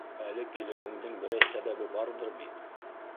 Әле килеүеңдең берәй сәбәбе барҙыр бит?